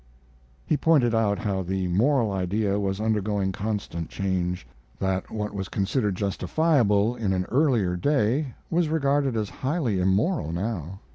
He pointed out that the moral idea was undergoing constant change; that what was considered justifiable in an earlier day was regarded as highly immoral now.